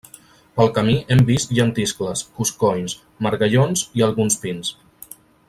Pel camí hem vist llentiscles, coscolls, margallons i alguns pins.